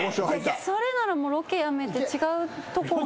それならロケやめて違うとこに。